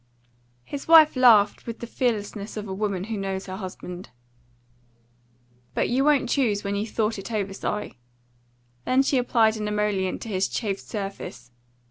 His wife laughed with the fearlessness of a woman who knows her husband. "But you won't choose when you've thought it over, Si." Then she applied an emollient to his chafed surface.